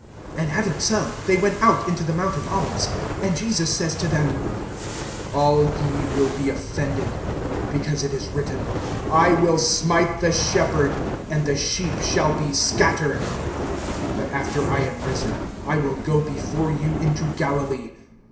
(26)And having sung, they went out into the mount of the Olives. (27)And Jesus says to them: All ye will be offended; because it is written: I will smite the shepherd, and the sheep shall be scattered. (28)But after I am risen, I will go before you into Galilee.